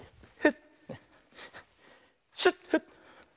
シュッフッ！